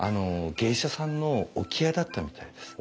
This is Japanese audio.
芸者さんの置き屋だったみたいです。